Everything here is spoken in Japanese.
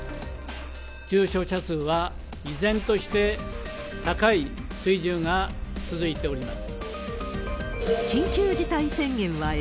重症者数は依然として高い水準が続いております。